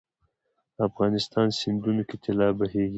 افغانستان سیندونو کې طلا بهیږي